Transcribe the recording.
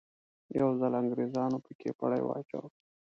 یو ځل انګریزانو په کې پړی واچاوه.